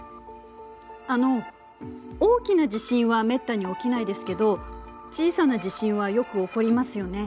あの大きな地震はめったに起きないですけど小さな地震はよく起こりますよね。